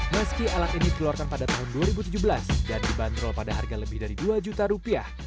meski alat ini dikeluarkan pada tahun dua ribu tujuh belas dan dibanderol pada harga lebih dari dua juta rupiah